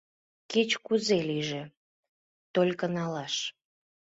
Кеч-кузе лийже, только налаш.